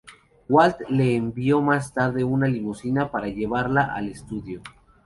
Walt le envió más tarde una limusina para llevarla al estudio.